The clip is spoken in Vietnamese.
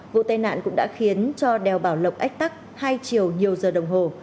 vụ tai nạn cũng đã khiến cho đèo bảo lộc ách tắc hai chiều nhiều giờ đồng hồ